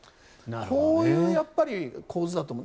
こういう構図だと思う。